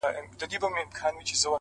ځوان ژاړي سلگۍ وهي خبري کوي؛